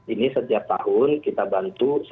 ini setiap tahun kita bantu sebuah keluarga